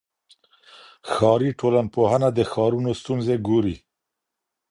ښاري ټولنپوهنه د ښارونو ستونزې ګوري.